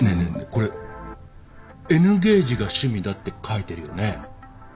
えこれＮゲージが趣味だって書いてるよね。